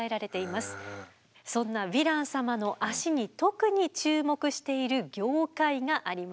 そんなヴィラン様の脚に特に注目している業界があります。